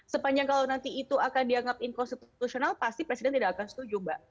sepanjang kalau nanti itu akan dianggap inkonstitusional pasti presiden tidak akan setuju mbak